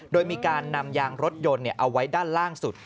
โดยมีการนำยางรถยนต์เอาไว้ด้านล่างสุด